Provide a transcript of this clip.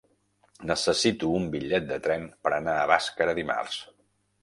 Necessito un bitllet de tren per anar a Bàscara dimarts.